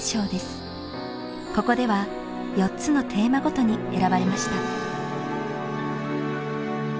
ここでは４つのテーマごとに選ばれました。